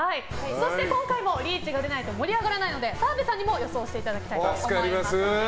そして、今回もリーチが出ないと盛り上がらないので澤部さんにも予想していただきたいと思います。